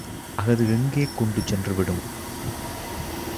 அஃது எங்கே கொண்டு சென்றுவிடும்?